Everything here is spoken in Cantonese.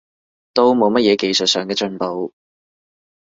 都冇乜嘢技術上嘅進步